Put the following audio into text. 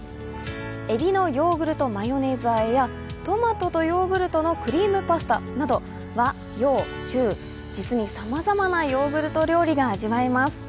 海老のヨーグルトマヨネーズ和えやトマトとヨーグルトのクリームパスタなど和・洋・中、実にさまざまなヨーグルト料理が味わえます。